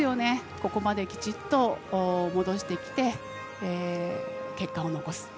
ここまで、きちっと戻してきて結果を残す。